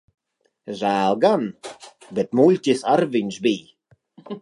Žēl gan. Bet muļķis ar viņš bij.